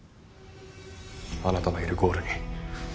あなたのいるゴールに。